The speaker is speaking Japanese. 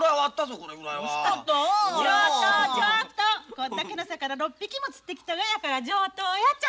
こっだけの魚６匹も釣ってきたがやから上等やちゃ。